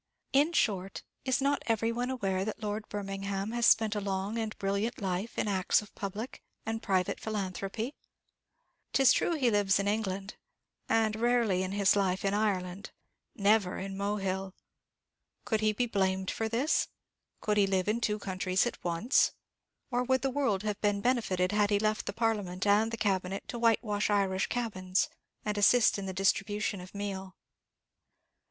In short, is not every one aware that Lord Birmingham has spent a long and brilliant life in acts of public and private philanthropy? 'Tis true he lives in England, was rarely in his life in Ireland, never in Mohill. Could he be blamed for this? Could he live in two countries at once? or would the world have been benefited had he left the Parliament and the Cabinet, to whitewash Irish cabins, and assist in the distribution of meal?